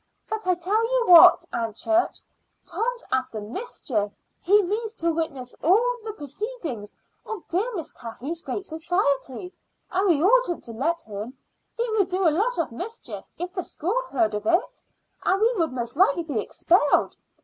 "But I tell you what, Aunt Church; Tom's after mischief; he means to witness all the proceedings of dear Miss Kathleen's great society, and we oughtn't to let him. It would do a lot of mischief if the school heard of it, and we would most likely be expelled.